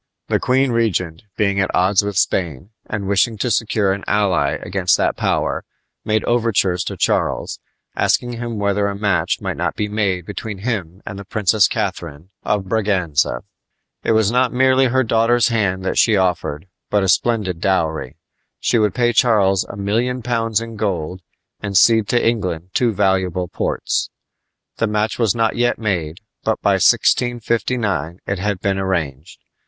The queen regent, being at odds with Spain, and wishing to secure an ally against that power, made overtures to Charles, asking him whether a match might not be made between him and the Princess Catharine of Braganza. It was not merely her daughter's hand that she offered, but a splendid dowry. She would pay Charles a million pounds in gold and cede to England two valuable ports. The match was not yet made, but by 1659 it had been arranged.